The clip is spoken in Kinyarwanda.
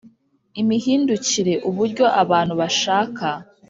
imihindukire uburyo abantu bashaka